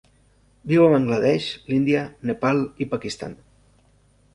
Viu a Bangla Desh, l'Índia, Nepal i Pakistan.